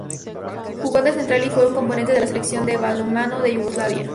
Jugó de central y fue un componente de la Selección de balonmano de Yugoslavia.